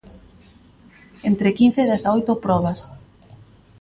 Entre quince e dezaoito probas.